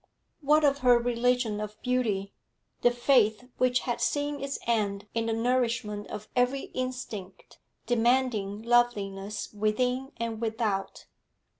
What of her religion of beauty, the faith which had seen its end in the nourishment of every instinct demanding loveliness within and without?